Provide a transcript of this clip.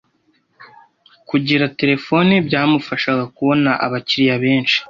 Kugira terefone byamufashaga kubona abakiriya benshi.